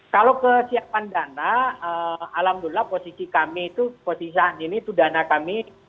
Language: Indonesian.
kalau kesiapan dana alhamdulillah posisi kami itu posisi saat ini itu dana kami